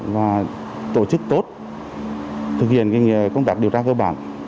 và tổ chức tốt thực hiện công tác điều tra cơ bản